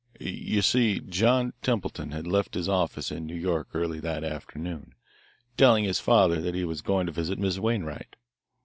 "You see, John Templeton had left his office in New York early that afternoon, telling his father that he was going to visit Miss Wainwright.